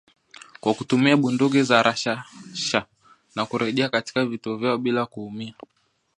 kwa kutumia bunduki za rashasha na kurejea katika vituo vyao bila kuumia.